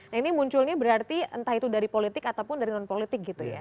nah ini munculnya berarti entah itu dari politik ataupun dari non politik gitu ya